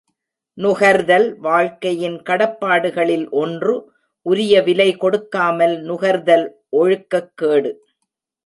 நுகர்தல் வாழ்க்கையின் கடப்பாடுகளில் ஒன்று உரிய விலை கொடுக்காமல் நுகர்தல் ஒழுக்கக் கேடு.